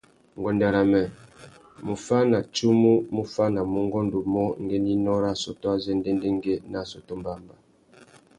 Nguêndê râ mê, muffānatsumu mù fānamú ungôndô umô ngüeninô râ assôtô azê ndêndêngüê nà assôtô mbămbá.